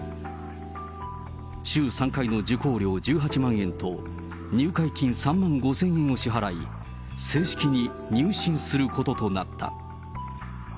週３回の受講料１８万円と、入会金３万５０００円を支払い、正式に入信することとなった。